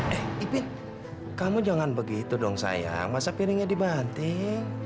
eh ipin kamu jangan begitu dong sayang masa piringnya dibanting